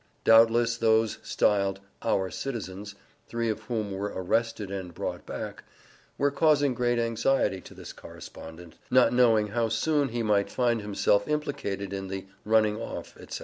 Doubtless those styled "our citizens," "three of whom were arrested and brought back," were causing great anxiety to this correspondent, not knowing how soon he might find himself implicated in the "running off," etc.